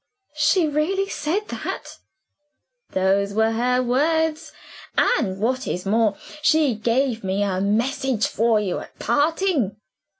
'" "She really said that?" "Those were her words. And, what is more, she gave me a message for you at parting.